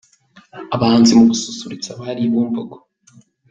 Abahanzi mu gususurutsa abari i Bumbogo.